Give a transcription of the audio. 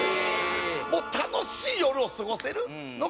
もう楽しい夜を過ごせるのが札幌。